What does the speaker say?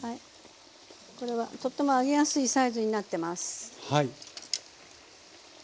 これはとっても揚げやすいサイズになってます。